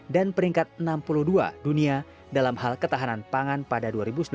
peringkat enam puluh dua dunia dalam hal ketahanan pangan pada dua ribu sembilan belas